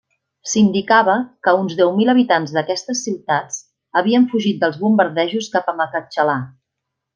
S'indicava que uns deu mil habitants d'aquestes ciutats havien fugit dels bombardejos cap a Makhatxkalà.